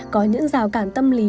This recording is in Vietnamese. có những rào cản tâm lý